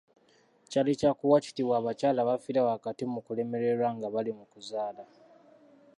Kyali kya kuwa kitiibwa abakyala abafiira wakati mu kulemererwa nga bali mu kuzaala.